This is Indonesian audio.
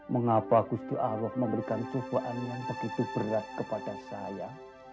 mengapa gus dur allah memberikan cobaan yang begitu berat kepada saya